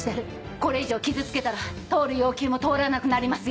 これ以上傷つけたら通る要求も通らなくなりますよ。